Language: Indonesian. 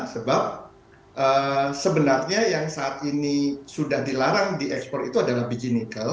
sebab sebenarnya yang saat ini sudah dilarang diekspor itu adalah biji nikel